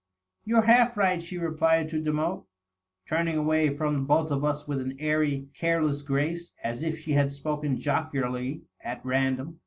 " You're half right," she replied to Demotte, turning away from both of us with an airy, careless grace, as if she had spoken jocularly at random.